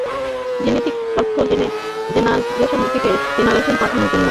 Genetic তথ্য generation থেকে জেনারেশনে পাঠানোর জন্য কী ডিএনএ ছাড়া আর কেউ নেই?